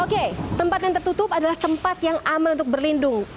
oke tempat yang tertutup adalah tempat yang aman untuk berlindung